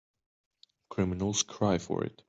Criminals cry for it.